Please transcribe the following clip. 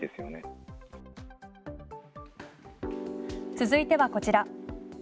続いてはこちら。